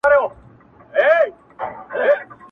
د سړي په دې وینا قاضي حیران سو,